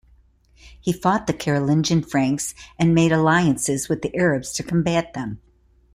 He fought the Carolingian Franks and made alliances with the Arabs to combat them.